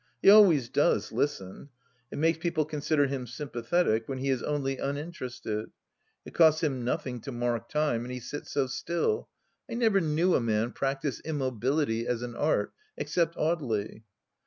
He always does listen. It makes people consider him sympathetic when he is only uninterested. It costs him nothing to mark time, and he sits so still ; I never knew a man practise immobility as an art, except Audely.